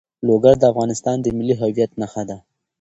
لوگر د افغانستان د ملي هویت نښه ده.